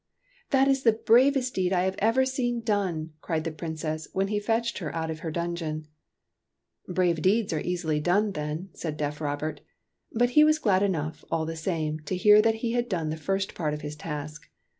" That is the bravest deed I have ever seen done!" cried the Princess, when he fetched her out of her dungeon. " Brave deeds are easily done, then," said deaf Robert ; but he was glad enough, all the same, to hear that he had done the first part of his task.